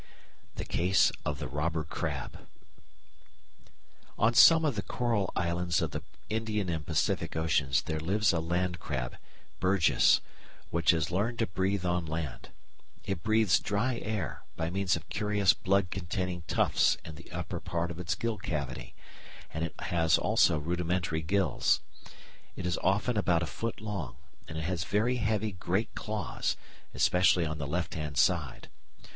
The Case of the Robber Crab On some of the coral islands of the Indian and Pacific Oceans there lives a land crab, Birgus, which has learned to breathe on land. It breathes dry air by means of curious blood containing tufts in the upper part of its gill cavity, and it has also rudimentary gills. It is often about a foot long, and it has very heavy great claws, especially on the left hand side.